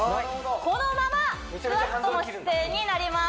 このままスクワットの姿勢になります